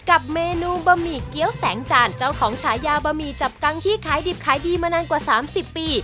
กับเมนูบะหมี่เกี้ยวแสงจานเจ้าของฉายาบะหมี่จับกังที่ขายดิบขายดีมานานกว่า๓๐ปี